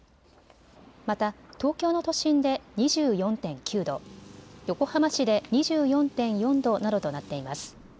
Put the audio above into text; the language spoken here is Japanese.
また東京の都心で２４．９度、横浜市で２４．４度などとなっています。